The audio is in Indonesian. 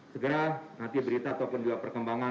segera nanti berita atau pendua perkembangan